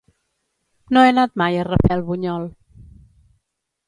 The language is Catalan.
No he anat mai a Rafelbunyol.